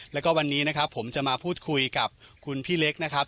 แล้วก็วันนี้นะครับผมจะมาพูดคุยกับคุณพี่เล็กนะครับ